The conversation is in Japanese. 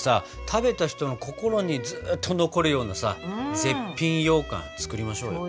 食べた人の心にずっと残るようなさ絶品ようかん作りましょうよ。